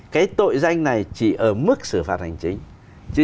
cái tội danh này chỉ ở mức xử phạt hành chính